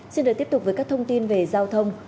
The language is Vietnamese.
xin được tiếp tục với các thông tin về giao thông